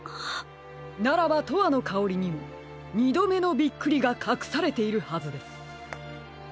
ならば「とわのかおり」にもにどめのびっくりがかくされているはずです。